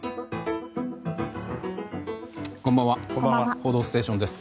「報道ステーション」です。